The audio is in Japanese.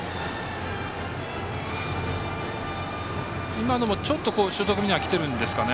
今のもちょっとシュート気味にはきているんですかね。